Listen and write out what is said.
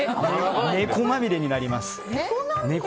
猫まみれになります。